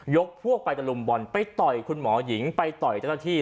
พวกไปตะลุมบอลไปต่อยคุณหมอหญิงไปต่อยเจ้าหน้าที่